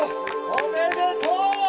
おめでとう！